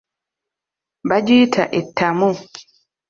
Bagiyita ettamu.